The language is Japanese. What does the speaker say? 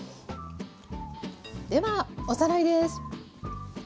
ではおさらいです。